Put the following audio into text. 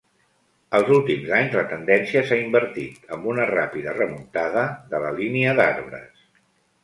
Als últims anys la tendència s'ha invertit, amb una ràpida remuntada de la línia d'arbres.